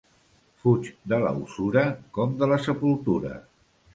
Fuig de la usura com de la sepultura.